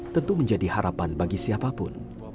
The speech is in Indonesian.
tentu menjadi harapan bagi siapapun